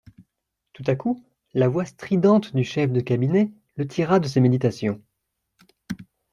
Tout à coup, la voix stridente du chef de cabinet le tira de ses méditations.